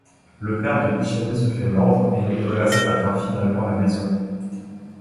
Le père de Ishani se fait mordre et Nicholas atteint finalement la maison.